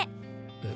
え？